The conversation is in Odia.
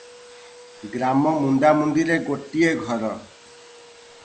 ଗ୍ରାମ ମୁଣ୍ଡାମୁଣ୍ଡିରେ ଗୋଟିଏ ଘର ।